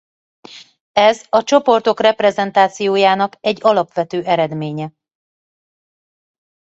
Ez a csoportok reprezentációjának egy alapvető eredménye.